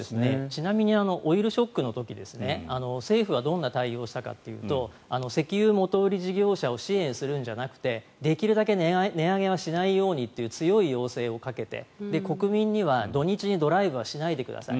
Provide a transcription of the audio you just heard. ちなみにオイルショックの時政府はどんな対応をしたかというと石油元売り事業者を支援するんじゃなくてできるだけ値上げをしないようにと強い要請をかけて国民には土日にドライブはしないでください